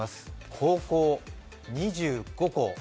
高校２５校。